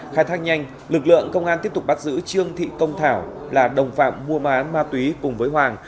khai thác nhanh lực lượng công an tiếp tục bắt giữ trương thị công thảo là đồng phạm mua bán ma túy cùng với hoàng